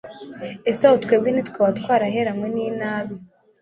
ese aho twebwe ntitwaba twaraheranywe n'inabi